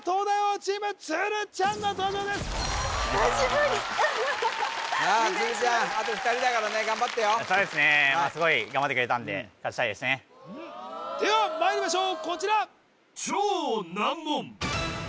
鶴ちゃんあと２人だからね頑張ってよそうですねすごい頑張ってくれたんで勝ちたいですねではまいりましょう